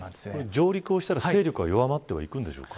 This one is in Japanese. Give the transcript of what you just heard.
上陸をしたら、勢力は弱まっていくんでしょうか。